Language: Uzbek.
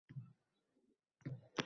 shunchaki qo‘shimcha vazifalar xolos.